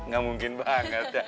gak mungkin banget